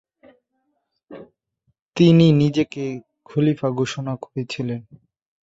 তিনি নিজেকে খলিফা ঘোষণা করেছিলেন।